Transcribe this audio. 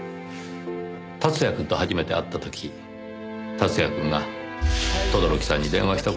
竜也くんと初めて会った時竜也くんが轟さんに電話した事を聞いたあなたは。